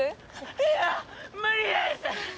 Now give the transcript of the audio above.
いや無理です！